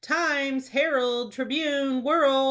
"'Times,' 'Herald,' 'Tribune,' 'World'!"